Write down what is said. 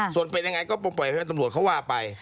ส่วนเป็นยังไงก็ปล่อยให้ตำรวจเขาว่าไป